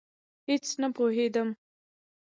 هېڅ نه پوهېدم.